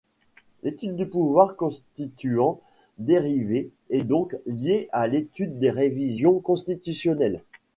L'étude du pouvoir constituant dérivé est donc liée à l'étude des révisions constitutionnelles.